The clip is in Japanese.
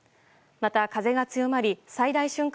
また風が強まり最大瞬間